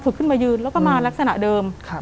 ขึ้นมายืนแล้วก็มาลักษณะเดิม